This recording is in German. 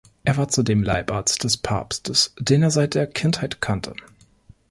Er war zudem Leibarzt des Papstes, den er seit der Kindheit kannte.